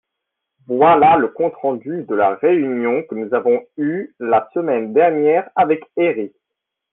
voilà le compte-rendu de la réunion que nous avons eu la semaine dernière avec Herri.